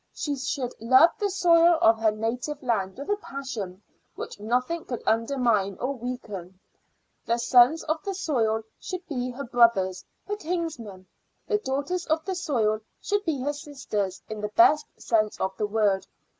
She should love the soil of her native land with a passion which nothing could undermine or weaken. The sons of the soil should be her brothers, her kinsmen; the daughters of the soil should be her sisters in the best sense of the word.